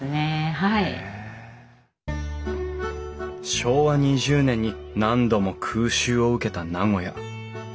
昭和２０年に何度も空襲を受けた名古屋。